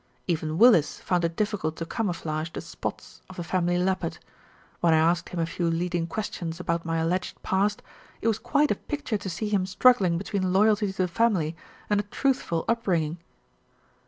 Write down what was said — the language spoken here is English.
"Even Willis found it difficult to camouflage the spots of the family leopard. When I asked him a few leading questions about my alleged past, it was quite a picture to see him struggling between loyalty to the family and a truthful upbringing."